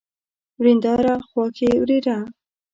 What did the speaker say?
ورېنداره ، خواښې، ورېره